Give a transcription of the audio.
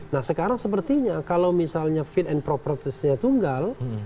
nah sekarang sepertinya kalau misalnya fit and propertisnya tunggal